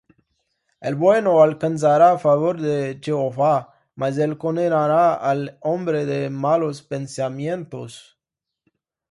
El bueno alcanzará favor de Jehová: Mas él condenará al hombre de malos pensamientos.